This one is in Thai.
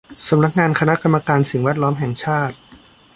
สำนักงานคณะกรรมการสิ่งแวดล้อมแห่งชาติ